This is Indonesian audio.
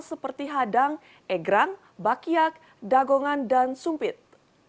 seperti hadang egrang bakyak dagongan dan sumpit